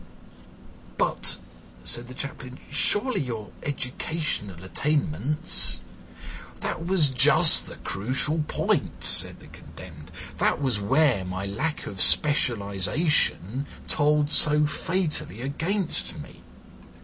"But," said the Chaplain, "surely your educational attainments—" "That was just the crucial point," said the condemned; "that was where my lack of specialisation told so fatally against me.